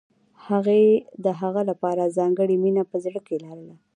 هغې د هغه لپاره ځانګړې مینه په زړه کې لرله